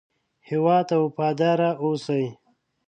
هېواد ته وفاداره اوسئ